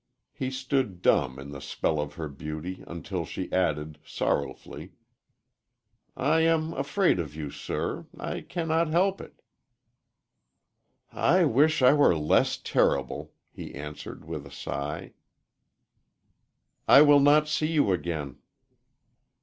He stood dumb in the spell of her beauty, until she added, sorrowfully, "I am afraid of you, sir I cannot help it." "I wish I were less terrible," he answered, with a sigh. "I will not see you again."